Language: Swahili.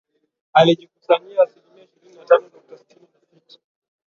alijikusanyia asilimia ishirini na tano nukta sitini na sita